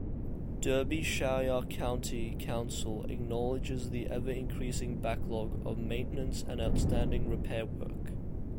Derbyshire County Council acknowledges the "ever increasing backlog of maintenance and outstanding repair work".